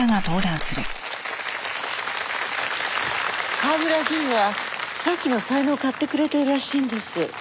川村議員は沙希の才能を買ってくれているらしいんです。